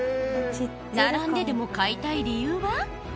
並んででも買いたい理由は？